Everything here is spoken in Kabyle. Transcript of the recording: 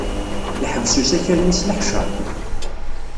Yeḥbes usakal-nni s leḥceṛ.